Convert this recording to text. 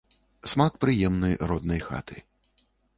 Смак прыемны роднай хаты.